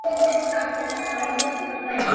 এটা তাঁদের ওপর বর্তায়।